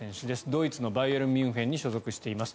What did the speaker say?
ドイツのバイエルン・ミュンヘンに所属しています。